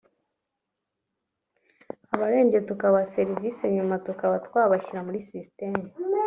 abarembye tukabaha serivisi nyuma tukaba twabashyira muri system